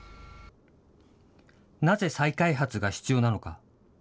なぜ再開発が必要なのか。